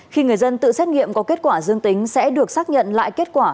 khi người dân tự xét nghiệm có kết quả dương tính sẽ được xác nhận lại kết quả